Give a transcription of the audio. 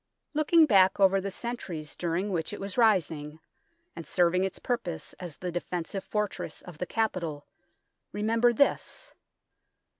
Looking back over the centuries during which it was rising, and serving its purpose as the defensive fortress of the capital, remember this.